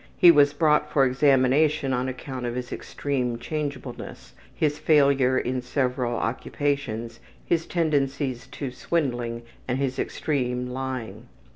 He was brought for examination on account of his extreme changeableness, his failure in several occupations, his tendencies to swindling and his extreme lying.